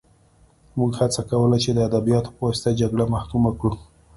موږ هڅه کوله چې د ادبیاتو په واسطه جګړه محکومه کړو